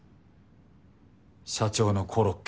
社長のコロッケ。